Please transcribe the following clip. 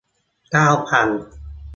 เก้าพัน